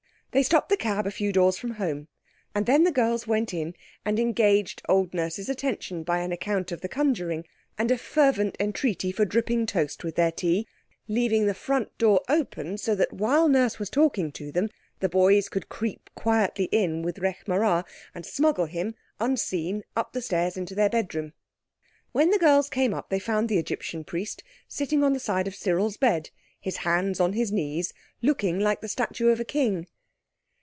They stopped the cab a few doors from home, and then the girls went in and engaged old Nurse's attention by an account of the conjuring and a fervent entreaty for dripping toast with their tea, leaving the front door open so that while Nurse was talking to them the boys could creep quietly in with Rekh marā and smuggle him, unseen, up the stairs into their bedroom. When the girls came up they found the Egyptian Priest sitting on the side of Cyril's bed, his hands on his knees, looking like a statue of a king.